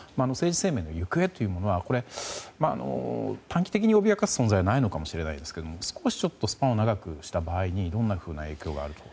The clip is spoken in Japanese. その行方というものは短期的に脅かす存在はないのかもしれませんけれども少しスパンを長くした場合にどんな影響があると？